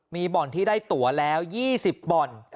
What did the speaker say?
มีบ่อนที่ได้ตัวแล้ว๒๐บ่อน